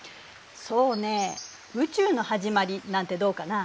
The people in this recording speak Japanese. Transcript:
そうねぇ「宇宙のはじまり」なんてどうかな？